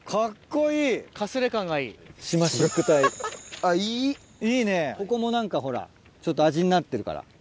ここも何かほらちょっと味になってるから。